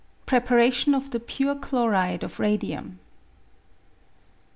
Preparation of the Pure Chloride of Radium.